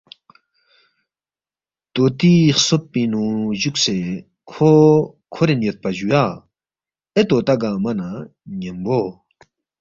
طوطی خسوب پِنگ نُو جُوکسے کھو کھورین یودپا جُویا، اے طوطا گنگمہ نہ ن٘یمبو